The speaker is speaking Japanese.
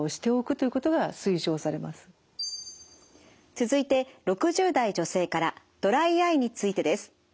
続いて６０代女性からドライアイについてです。